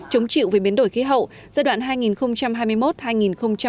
chống chịu với biến đổi khí hậu giai đoạn hai nghìn hai mươi một hai nghìn hai mươi năm